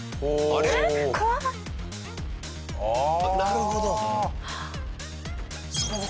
ああなるほどね。